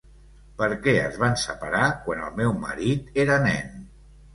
Perquè es van separar quan el meu marit era nen.